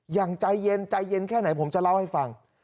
อย่างใจเย็นใจเย็นแค่ไหนผมจะเล่าให้ฟัง